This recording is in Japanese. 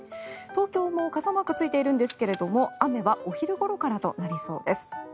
東京も傘マークがついているんですけども雨はお昼ごろからとなりそうです。